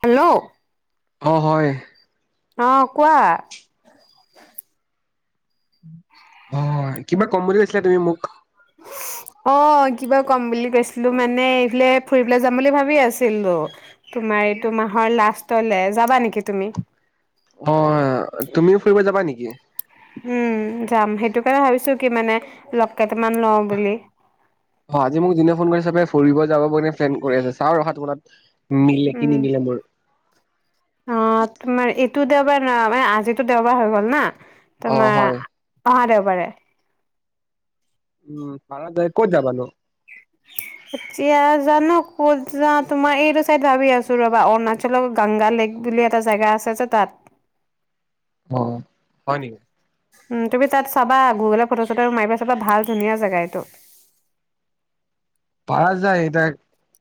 Hello অ হয় আহ কোৱা অ কিবা কম বুলি গৈছিলা তুমি মোক অ কিবা কম বুলি গৈছিলো মানে এইফিলে ফুৰিবলৈ যাম বুলি ভাবি আছিলোো তোমাৰ এইটো মাহৰ লাষ্ট লেজ যাবা নেকি তুমি অ তুমিও ফুৰিব যাবা নেকি [inaudible] উম যাম সেইটো কাৰণে ভাবিছো কি মানে লেইটামান লওঁ বুলি [unintelligible] অ আজি মোক দিনে ফোন কৰি চাপে ফুৰিব যাব পনে প্লেন কৰি আছে চাওঁ আৰু সাত বটাত উ নিলেকি উম নিনিলে [unintelligible] ম অ তোমাৰ এইটো দে আবাৰ ম [unintelligible] যজিটো দেওবাৰ হৈ গ'ল না [unintelligible] অ তোমা হয় অহা দেৱবা বৰে উম পাৰ ক'ত যাবা নো এতিয়া জান ক'ত যা তোমাৰ এইটো চাইড ভাবি আছো ৰবা অৰুণাচলৰ গাংগা লেক বুলি এটা জেগা আছে যে তাত অ হয় নেকি উ তুমি তাত চাবা গুগলে ফটো চটো মাৰিবা চাবা ভাল ধুনীয়া জেগা এইটো পাৰা যায় এতিয়া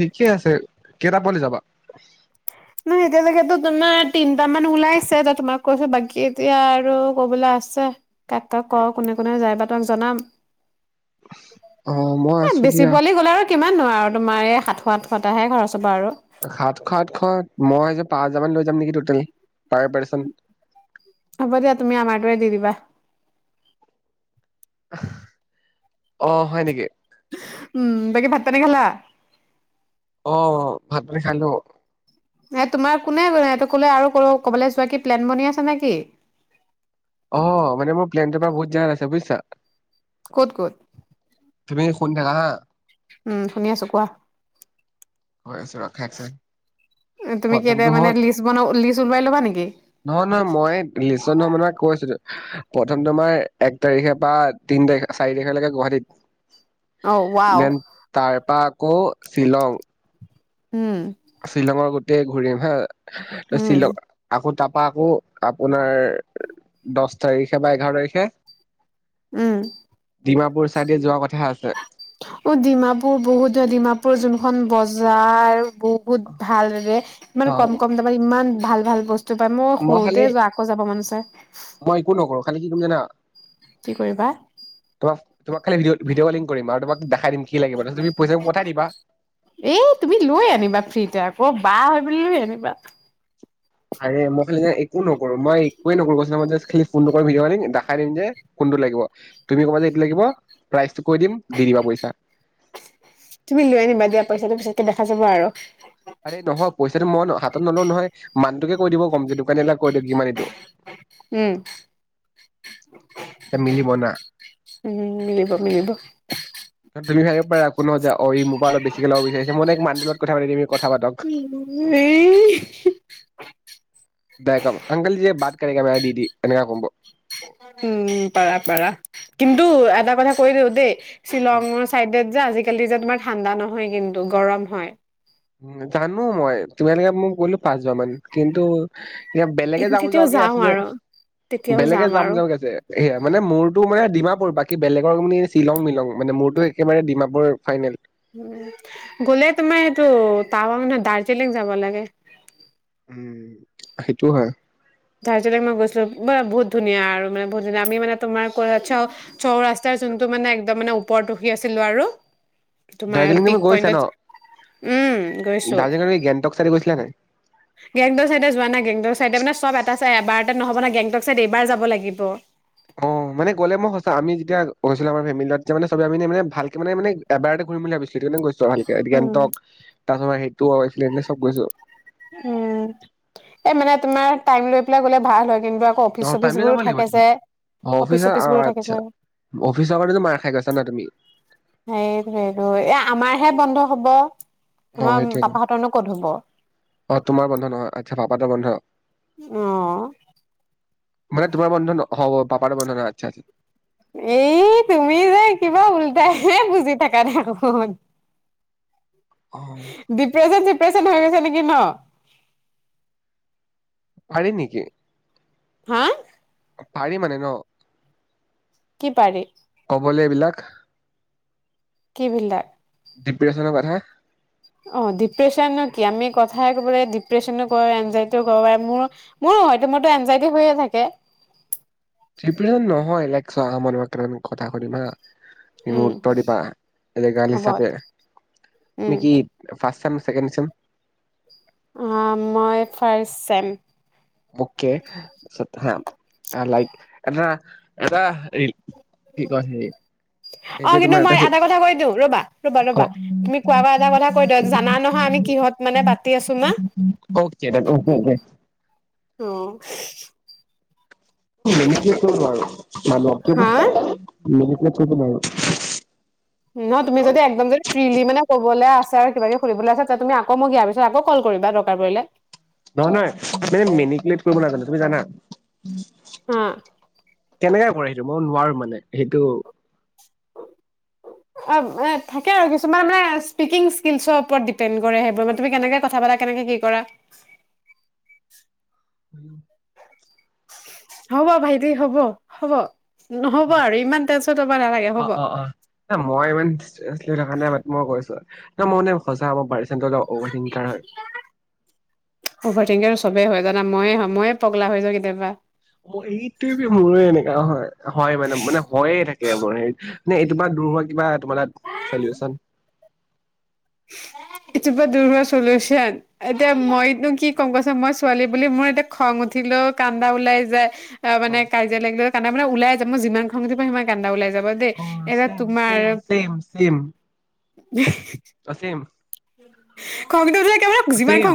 ঠিকে আছে কেইটা পালি যাবা [unintelligible] নহ এতিয়ালকেতেতো তোমাৰ তিনট মান ওলাইছে ত তোমাক কৈছো বাকী এতিয়া আৰু কবলৈ আছে কাক কাক ক কোনে কোনে যাই বা তোমাক জনাম অ মই আছো দিয়া কিমান নোৱাৰ আৰু তোমাৰ এই সাতশ সঠশতটাহে খৰচ হ'ব আৰু। সাতশ আঠশ মই পাঁচ হাজাৰ মান লৈ যাম নেকি ট'টেল পাৰ পাৰ্চন হ'ব দিয়া তুমি আমাৰটোৱে দি দিবা অ হয় নেকি উম তাকে ভাত পানী খালা অ ভাত খালো এ তোমাৰ কোনে এইটো কলে আৰু ক কবলৈ যোৱা কি প্লেন বন আছে নেকি অ মানে মোৰ প্লেনটোৰ পৰা বহুত জাত আছে বুজিছা [unintelligible] ক'ত ক'ত তুমি শুনি থাকা হা উম শুনি আছো কোৱা হৈ আছো ৰখা এক ছেকেণ্ড তুমি কি প্ৰথমটো এতিয়া মানে হ'ল লিষ্ট বনা লিষ্ট মোবাইল ল'ব নেকি নহয় নহয় মই লিচন মামক কৈ আছো প্ৰথম তোমাৰ এক তাৰিখে বা তিন তাৰিখে চাৰি তাৰিখেলৈকে অ, গুৱাহাটীত ৱাও দেন তাৰ পা কৌ শ্বিছিলং উম শ্বিলংৰ গোটেই ঘূৰি আহি হা তই উম, শ্বিলং আকৌ ত পাকো আপোনাৰ দহ তাৰিখে বা এঘাৰ তাৰিখে উম ডিমাপুৰ চাইডে যোৱা কথা আছে অ ডিমাপুৰ বহুত ডিমাপুৰ যোনখন বজাৰ বজাৰ বহুত ভালৰে অ ইমান কম কম দাম ইমান ভাল ভাল বস্তু বস্তু পায় মই সৰুতে যোৱা আকৌ যাব মন গৈছে মই একো নকৰো খালি কি কৰিম জানা তোমাক তোমাক খালী ভিডিঅ' ভিডিঅ ক'লিং কৰি আৰু তোমাক দে এই তুমি লৈ আনিবা ফ্ৰীতে আকৌ বা বাহ বোলি লৈঅনিবা আৰে মোক একো নকৰো মই একোযে নকৰোঁ মই জাস্ট খেলি কোনতো কয় ভিডিঅ ক'লিং দেখাই দিম যে কোনটো লাগিব তুমি ক'বা যে এইটো লাগিব প্ৰাইজটো কৈ দিম দি দিবা পইচা তুমি লৈ আনিবা দিয়া পইচাটো পিছতকে দেখা যাব আৰু আৰে নহয় পইচাটো মই ন হাতত হাত নলোওঁ নহয় মানুকতো কৈ দিব কম যিটো এই দাদা কৈ দিয়ক কিমান এইটো উম, তেতিয়া মিলিব ন উম মিলিব মিলিব তুমি ভাবিব পাৰা কোনো যে অই মোৰ পৰাবেছিকে ল'ব বিচাৰিছে মই মানডলত কথা পাতি দিমি কথা পাতক এই দো কম অংক যে বাট ক কেমেৰা দি দি এনেকুৱ ক উম পাৰা পাৰা কিন্তু এটা কথা কৈ দিওঁ দেই শ্বিলংৰ চাইডে যে আজিকালি যেনিবা ঠাণ্ডা নহয় কিন্তু গৰম হয় জানো মই তুমালোকে মই গলো পাঁচ বাৰ মান কিন্তু এতিয়া বেলেগে যাম তেতিয়াও যাওকে আছে যে আৰু তেতিয়াও বেলেগে যাম আৰু যাওকে আছে সেয়া মানে মোৰতো মানে ডিমাপুৰ বাকী বেলেগৰ মানে শ্বিলং মিলং মানে মোৰতো একেবাৰে ডিমাপুৰৰ ফাইনেল উ গ'লে তোমাৰ সেইটো টাৱাং নহয় দাৰ্জিলিং যাব লাগে উম সেইটো হয় দাৰ্জিলিং মই গৈছিলো ব বহুত ধুনীয়া আৰু মানে বহুত ধুনীয়া আমি মানে তোমাৰ ক' চাও চৌ ৰাস্তাৰ যোনটো মানে একদম মানে ওপৰত বহি আছিলোঁ আৰু তোমাৰ দাৰ্জিলিঙ তুমি পিক গৈছা পইন্টত ন উম গৈছো দাৰ্জিলিঙৰ এই গেংটক চাইটে গৈছিলা নাই গেংটক চাইডে যোৱা নাই গেংটক চাইডে মানে চব এটা চাই এবাৰ এতে নহ'ব না গেংটক চাইড এবাৰ যাব লাগিব অ মানে গলে মই সঁচা আমি যেতিয়া গৈছিলো আমাৰ ফেমিলি লগত তেতিয়া মানে আমি চবে মানে ভালকে মানে এবাৰতে ঘূৰিম বুলি ভাবিছিলো সেইটো কাৰণে গৈছো আৰু ভালকে উম গেংটক তাৰছত হেৰি তো আও আহিছিলে চব গৈছো উম এ মানে তোমাৰ টাইম লৈ পেলাই গলে ভাল হয় কিন্তু আকৌ অফিচ অ চফিচ টাইম লৈ বোৰো যাব লাগিব থাকে যে তুমি অ অফিচ চফিচ অ বোৰো থাকে আচ্ছা যে অফিচৰ কাৰণেতো মাৰ খাই গৈছা না তুমি সেইটোৱে সেইটো এ আমাৰহে বন্ধ হব অ তোমাৰ সেইটোৱে পাপাহঁতৰনো ক'ত হব অ তোমাৰ বন্ধ নহয় আচ্ছা পাপাহতৰ বন্ধ অহ মানে তোমাৰ বন্ধ ন হব পাপাহত বন্ধ নহয় আচ্ছা আচ্ছা এই তুমি যে কিবা উল্টাই হে বুজি থাক দেখোন স অ ডিপ্ৰেছন চিপ্ৰে ছন হৈ গৈছে নেকি ন পাৰি নেকি হা পাৰি মানে ন কি পাৰি ক'বলে এইবিলাক কি ভিলটাৰ ডিপ্ৰেছনৰ কথা অ ডিপ্ৰেশ্যন নো কি আমি কথাই কব লাগে ডিপ্ৰেশচনো কৰ এনজাইটিও কৰওঁ মোৰ মোৰো হয়তো মোৰতো এনজাইটি হৈয়ে থাকে ডিপ্ৰেন নহয় লেকচাৰ আমৰ মকান কথাকৰিম হা তুমি মোক উম উত্তৰ দিবা, এলেগাৰ হ'ব হিচাপে উম তুমি কি, ফাৰ্ষ্ট চেম, ছেকেণ্ড চেম। অহ, মই ফাৰ্ষ্ট চেম। অহ'কে, তাৰপিছত হা, তাৰ লাইফ এ, ধৰা এটা এই, অ কিন্তু মই এটা কথা কৈ দিওঁ ৰবা ৰবা ৰবা তুমি কোৱা বা এটা কথা কৈ দিয়া জানা নহয় আমি কিহত মানে পাতি আছো মা [unintelligible] অহ, [unintelligible] হা কত কব নোৱাৰোঁ। নহয় তুমি যদি একদম যদি ফ্ৰিলি মানে ক'বলৈ আছ, কিবা-কিবি সুধিবলৈ আছে তুমি আকৌ মোক ইয়াৰ পিছত আকৌ কল কৰিবা দৰকাৰ পৰিলে। নহয় -, নহয় মানে মেনিকুলেট কৰিব নাজানো তুমি জানা? হাঁ, কেনেকে কৰে সেইটো, মই নোৱাৰো মানে সেইটো, - অ', এ, থাকে আৰু কিছুমান মানে স্পিকিং স্কিলছৰ ওপৰত দিপেণ্ড কৰে সেইবোৰ তুমি কেনেকে কথা পাতা কেনেকে কি কৰা। হ'ব ভাইটি হ'ব - হ'ব। নহ'ব আৰু ইমান টেনচন লব নালাগে হ'ব। চিৰিয়াছলি থাকা নাই মাত মই কৈছো। ত' মনে সঁচা হ'ব পাৰিছে। চেন্তৰদা অভাৰ থিংকাৰ হয়। অভাৰ থিংকাৰ আৰু চবেই হয় জানা ময়ে মইয়ে পগলা হৈ যাও কেতিয়াবা। মোৰ এইটোৱে, মোৰে এনেকা হয় -হয় মানে মানে হয়য়ে থাকে মোৰ হেৰি মানে এই তোমাৰ দূৰ হোৱা কিবা তোমাৰ তাত চলিউচন? এইটোপৰা দূৰ হোৱা চলিউচন এতিয়া মইতো কি কম কোৱাচোন মই ছোৱালী বুলি মোৰ এতিয়া খং উঠিলেও কান্দা ওলাই যায়, অ', মানে কাজিয়া লাগিলেও কাণ্ডা মানে ওলাই যে মোৰ যিমান খং উঠিব সিমান কানদা ওলাই যাব। দেই অ', এতিয়া তোমাৰ চেম-চেম-চেম-চেম। [inaudible] অ, ছেম খংটো যে, অ, চেম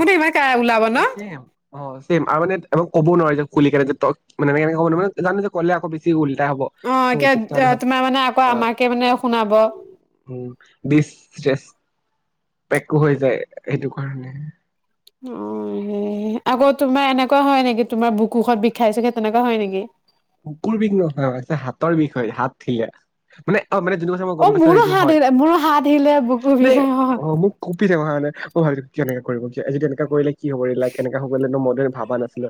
-অ চেম, অ চেম, আৰু মানে একো ক'ব নোৱাৰি অ এতিয়া তোমাৰ মানে আকৌ আমাকে মানে শুনাব অ যে, [unintelligible] [unintelligible] পেক্কো হৈ যায় সেইটোক। কাৰণে, অ, আকৌ তোমাৰ এনেকুৱা হয় নেকি তোমাৰ বুকুখত বিষাইছে সে-তেনেকুৱা হয় নেকি? বুকুৰ বিষ নহয় হাতৰ বিষ হয়, হাত থিলীয়া মানে, অ, মানে যোনটো কথা মই অ গম পাইছো মোৰো সেইটো হাত হয়, মোৰো হাত আহিলে বুকু মানে বিষাই হয় অ', মোক কপিছে অ এনে। [unintelligible] কি হব এইবিলাক কেনেকে হব সেইবিলাক ন' ম, ভাবাঁ নাছিলো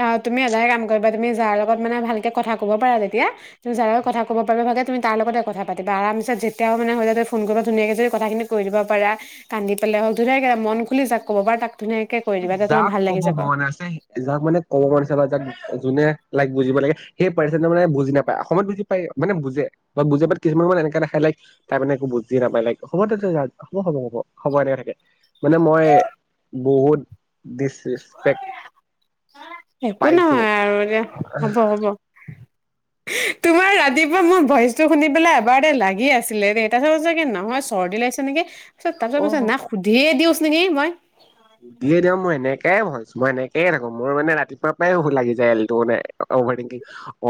আহ তুমি এটাই কাম কৰিবা তুমি যাৰ লগত মানে ভালকে কথা ক'ব পাৰা তেতিয়া তুমি যাৰ লগত কথা ক'ব পাৰিবা ভালে তুমি তাৰ লগতে কথা পাতিবা আৰামছে যেতিয়াও মানে হয় নহ তুমি ফোন কৰিবা ধুনীয়াকে যদি কথাখিনি কৈ দিব পাৰা কান্দি পেলাই হওঁক ধুনীয়াকে মন খুলি যাক ক'ব পাৰা তাক ধুনীয়াকে কৈ দিবা তেতিয়া তোমাৰ যাক ভাল লাগি ক'ব যাব। মন আছে যাক মানে ক'ব মন আছে বা যাক যোনে তাইক বুজিব লাগে সেই পাৰ্চনজনে মানে বুজি নাপায় অকণমান বুজি পায় মানে বুজে বা বুজাই পায় কিছুমান মানে এনেকা দেখাই তাইক তাই মানে একো বুজি নাপায় তাইক হ'ব দে হ'ব হব হ'ব হ'ব এনেকে থাকে মানে মই বহুত ডিচৰেচপেক্ট একো পাইছো নহয় আৰু এতিয়া হব হব তোমাৰ ৰাতিপুৱা মোৰ ভইচটো শুনি পেলাই এবাৰ দে লাগি আছিলে দে তাৰ পাছত নহয় চৰ্দি লাগিছে নেকি অ তাৰপিছত সুধিয়ে দিওঁচোন নেকি মই দিয়ে দে মই এনেকয়ে ভাল মই এনেকয়ে থাকো মোৰ মানে ৰাতিপুৱাই লাগি যায় মানে এলটো মানে অভাৰ থিংকিং অ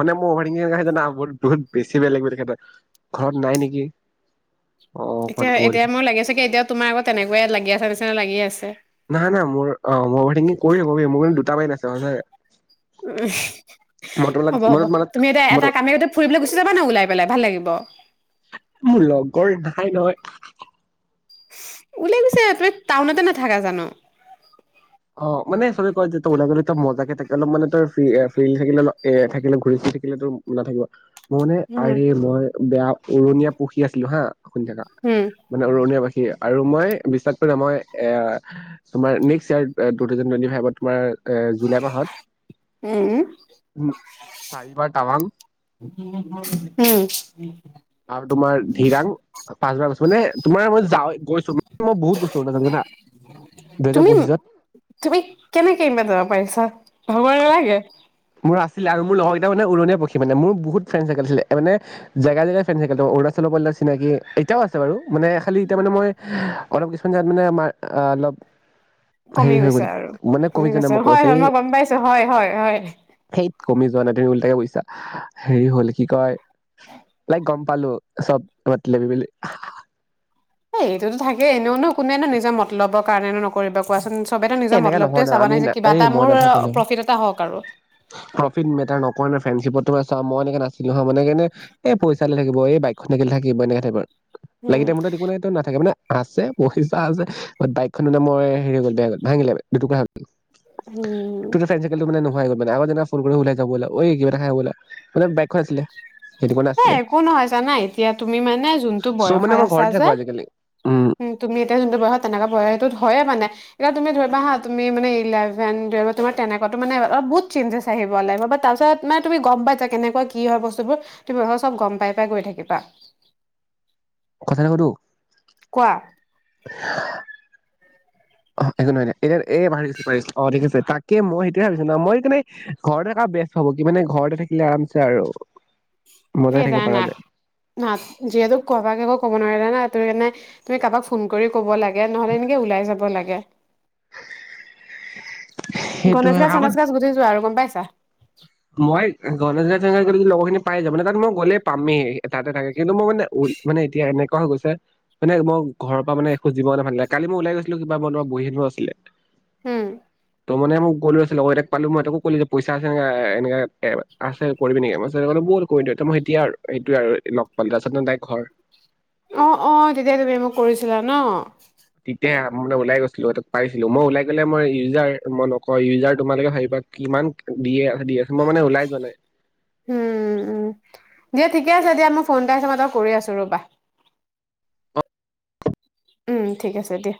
মানে মই অভাৰ থিংকিং বহুত বহুত বেছি বেলেগ তেখেতৰ ঘৰত নাই নেকি অ ক'বাত এতিয়া গ'ল এতিয়া মোক লাগিছে কি এতিয়া তোমাৰ আকৌ তেনেকুৱা লাগি আছে নিচিনা লাগি আছে নাই নাই মোৰ অ মই অভাৰ থিংকিং কৰিব কবি মোৰ কিন্তু দুটা বাৰত আছে মন হ'ব হ'ব ম মন তুমি এতিয়া এটা ম অহঁ মোৰ লগৰ নাই নহয়। উলাই গৈছে তুমি টাউনতে নাথাকা জানো। অ মানে চবে কয় যে তই ওলাই গলে তই মজাকে থাক অলপ মানে তই ফিৰী থাকিলে অলপ এ মজাকে থাকিলে ঘূৰি ফুৰি থাকিলে তোৰ নাথাকিব মোৰ নে উম আৰে মই বেয়া উৰণীয়া পুখী আছিলো হাঁ। শুনি থাকক উম মানে উৰুণীয়া আৰু মই বিশ্বাস কৰিবা মই এ তোমাৰ next year two thousand twenty ফাইভত তোমাৰ এ জুলাই মাহত উম উম, চাৰিবাৰ টাৱাং উম আৰু তোমাৰ ধিৰাং পাঁচব আচলতে তোমাৰ মই যাওঁ এ দুহেজাৰ তুমি পঁচিছত তুমি কেনেকে এবা যাব পাৰিছা। ভাবৰ নালাগে। মোৰ আছিলে আৰু মোৰ লগৰ কেইটা মানে উৰুণিয়া পখি মানে মোৰ বহুত ফ্ৰেনডছ আছিলে মানে জেগাই জেগাই ফ্ৰেনডছ আছিলে অৰুণাচলৰ পৰা চিনাকি এতিয়াও আছে বাৰু মানে খালি এতিয়া মানে মই অলপ কিছুমান জাগাত মানে আমাৰ অলপ কমি হেৰি হৈ গৈছে গ'ল আৰু মানে কমি যোৱা নাই গৈছে মই হয় কৈছো হয় এই মই গম পাইছো হয় হয় হয় কমি যোৱা নাই তুমি ওলটাকে বুজিছা হেৰি হল কি কয় তাইক গম পালো চব মতলবি বুলি, হাঁ হাঁ হাঁ এ এইটোতো থাকে এনেওনো কোনেনো নিজে মতলবৰ কাৰণেনো নকৰিব। কোৱাচোন চবেইটো নিজৰ এনেকা নহয় ন মতলবটোৱে চাবা আমি নাই যে কিবা আৰে এটা মই মোৰ নাথাকো ন প্ৰফিট এটা হওঁক আৰু ফ্ৰেনশ্বিপত তোমাৰ চা মই এনে নাছিলো হা মানে এনে এ পইচালৈ থাকিব এই এ বাইকখনে থাকিব এনেকে থাকিব আৰু উম লাগিতেই মুৰতাঁত একো নাই তোঁ নাথাকে না আছে পইচা আছে বাইকখনো ন মই হেৰি গল বেয়া গল। ভাঙিলে দুটু উম তুটো ফাই চেল ত মানে নু ই'ল মানে আগ ফোন কৰি ওলাই যাবলা এই কিবাটা খাই আহো ব'লা মানে বাইকখন আছিলে। সেইটো কাৰণে এ আছিলে একো নহয় জানা এতিয়া তুমি মানে যোনটো চ' মানে বয়সত মই আছা ঘৰতে যে। থাকো আজিকালি উম, তুমি এতিয়া যোনটো বয়সত তেনেকেয় টোত হয়ে মানে এতি তুমি ধ হা তুমি মানে ইলেভেন টোৱেলভত তোমাৰ তেনেকুৱাতো মানে অলপ বহুত চঞ্জেছ আহিব লাগিব তাৰপিছত মানে তুমি গম পাইছা কেনেকুৱা কি হয় বস্তুবোৰ তুমি চব গম পাই, পাই গৈ থাকিবা। সে কতো কোৱা। অ', একো নহয় নাই এতিয়া এই বাঢ়ি গৈছিল পাৰিছ অ', ঠিক আছে তাকে মই সেইটোৱে ভাবিছো ন' মই কাৰণে ঘৰতে থকা বস্তু হ'ব কি মানে ঘৰতে থাকিলে আৰামছে আৰু। মজাই এটা থাকিব পৰা নাত যায় নাত যিহেতু কবাকে একো ক'ব নোৱাৰি তা না ত কাৰণে তুমি কাৰোবাক ফোন কৰি ক'ব লাগ গে নহ'লে এনেকে ওলাই যাব লাগে। গণেশ সেইটোৱে গাছ আগত গনেশ গাছ গুচি ছোৱা আৰু গম পাইছ চা মই গণজনা চ লগৰখিনি পাই যাব মানে তাত মই গ'লেই পামেই তটাতে থাকে কিন্তু মই মে মানে এতিয়া এনেকুৱা হৈ গৈছে মানে ম ঘৰ মানেখোজিব নালাগে কাল মই ওলাই গৈছিলো কিবা মনো বহীখন আছি হম। ত মে ম গ'লে আছে লগতে পালো মই তকো ক'লো যেই আছে নে এ এনেকা আছে কৰিবি নেকি মই বল কৰি মই এতিয়া আৰু সেইটোয়ে আৰু লগ পালো তাৰপিছত ন' তাই ঘৰ অ', অ', তেতিয়া তুমি মোক কৰিছিলা ন'? তেতিয়া মান ওলাই গৈছিলো এ পাৰছিলো মই লাই গ'লে মই ইউজাৰ মই নকওঁ ইউজাৰ তোমালোকে ভাবি পা কিমান দিয়ে। দি আছে মই মানে ওলাই যোৱা নাই উম, উম, দিয়া ঠিকে আছে দিয়া মই ফোন মই তই কৰি আছো ৰ'বা। উম, ঠিক আছে দিয়া।